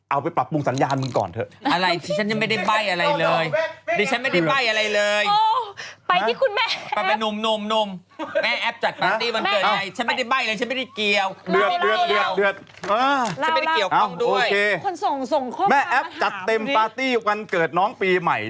เอาไปปรับปรุงสัญญาณมึงก่อนเถอะ